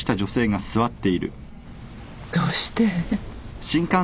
どうして。